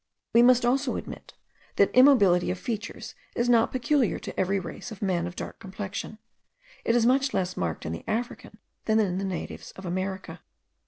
We must also admit, that immobility of features is not peculiar to every race of men of dark complexion: it is much less marked in the African than in the natives of America.